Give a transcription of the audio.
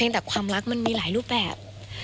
แต่ความรักมันมีหลายรูปแบบ